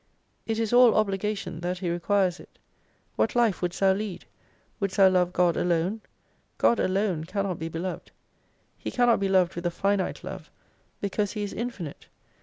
It is all obligation, that He requires it. What life wouldst thou lead ? Wouldst thou love God alone ? God alone cannot be beloved. He cannot be loved with a finite love, because He is infinite.